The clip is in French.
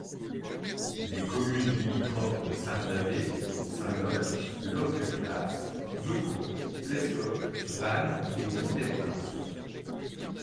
Les communes limitrophes de Saint-Avé sont Saint-Nolff, Locqueltas, Meucon, Plescop, Vannes et Monterblanc.